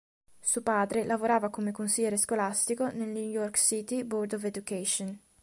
Suo padre lavorava come consigliere scolastico nel New York City Board of Education.